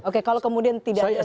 oke kalau kemudian tidak